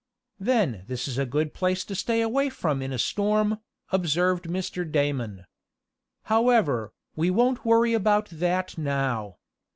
"Then this is a good place to stay away from in a storm," observed Mr. Damon. "However, we won't worry about that now.